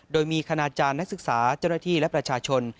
โดยมีคณาจารย์นักศึกษาเจ้าหน้าที่และประชาชน